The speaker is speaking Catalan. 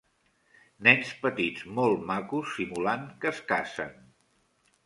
Nens petits molt macos simulant que es casen